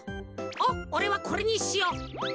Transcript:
おっおれはこれにしよう。